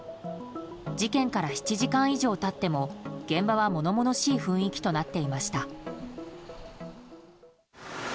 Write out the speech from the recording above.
事件から７時間以上経っても現場は物々しい雰囲気となっていました。